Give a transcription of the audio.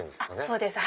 そうです。